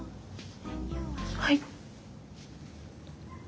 はい。